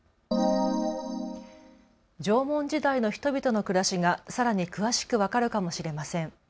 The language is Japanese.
縄文時代の人々の暮らしがさらに詳しく分かるかもしれません。